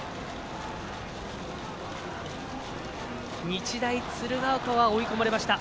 日大鶴ヶ丘は追い込まれました。